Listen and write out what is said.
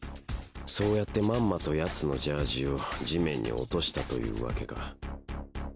そうやってまんまとヤツのジャージーを地面に落としたというわけか。